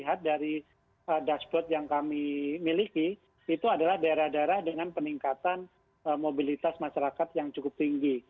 kita lihat dari dashboard yang kami miliki itu adalah daerah daerah dengan peningkatan mobilitas masyarakat yang cukup tinggi